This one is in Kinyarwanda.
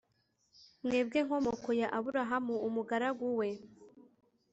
mwebwe, nkomoko ya abrahamu umugaragu we